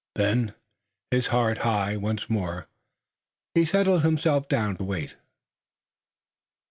Then, his heart high once more, he settled himself down to wait.